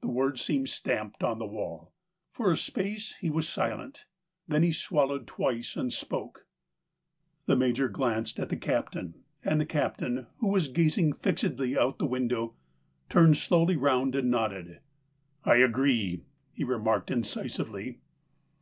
The words seemed stamped on the wall. For a space he was silent ; then he swallowed twice and spoke. The Major glanced at the Captain, and the Captain, who was gazing fixedly out of the window, turned slowly round, and nodded. " I agree," he remarked incisively.